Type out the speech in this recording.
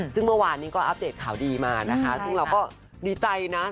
ซึ่งเมื่อวานนี้ก็อัปเดตข่าวดีมานะคะซึ่งเราก็ดีใจนะ